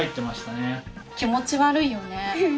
気持ち悪いよね。